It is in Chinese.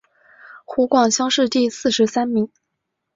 湖广乡试第四十三名。